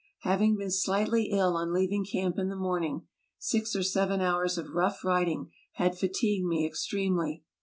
Having been slightly ill on leaving camp in the morning, six or seven hours of rough riding had fatigued me extremely.